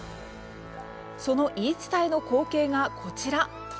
その言い伝えの光景がこちら。